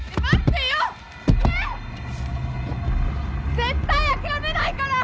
絶対諦めないから！